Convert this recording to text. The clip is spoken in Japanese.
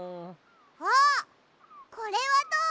あっこれはどう？